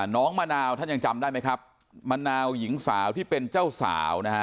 มะนาวท่านยังจำได้ไหมครับมะนาวหญิงสาวที่เป็นเจ้าสาวนะฮะ